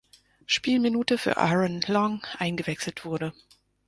Spielminute für Aaron Long eingewechselt wurde.